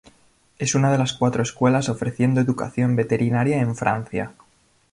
Es una de las cuatro escuelas ofreciendo educación veterinaria en Francia.